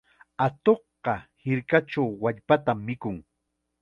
Atuqqa hirkachaw wallpatam mikun.